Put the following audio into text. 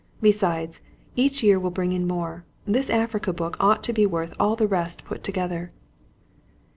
Besides, each year will bring in more. This African book ought to be worth all the rest put together."